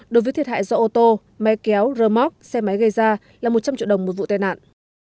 đối với thiệt hại do ô tô máy kéo rơ móc xe máy gây ra là một trăm linh triệu đồng một vụ tai nạn